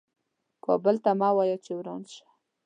کابل ته مه وایه چې وران شه .